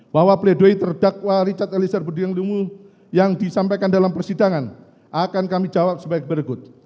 bahwa peledoi terdakwa richard elisir budiang lumiu yang disampaikan dalam persidangan akan kami jawab sebaik berikut